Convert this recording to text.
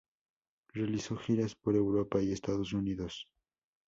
Realizó giras por Europa y Estados Unidos.